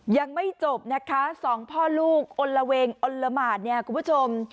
ยังไม่จบนะคะสองพ่อลูกอลละเวงอลละหมาดเนี่ยคุณผู้ชม